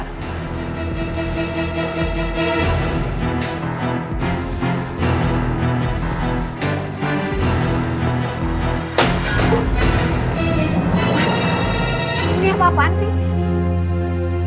mas ini apa apaan sih